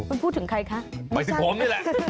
มันพูดถึงใครได้ถึงผมนี่แหละ